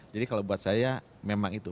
jadi kalau buat saya memang itu